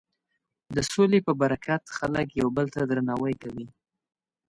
د سولې په برکت خلک یو بل ته درناوی کوي.